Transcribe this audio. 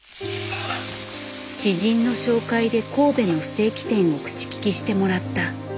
知人の紹介で神戸のステーキ店を口利きしてもらった。